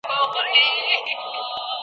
هندو، هندوه